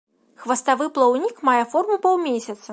Хваставы плаўнік мае форму паўмесяца.